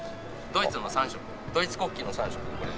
ドイツの３色ドイツ国旗の３色これ。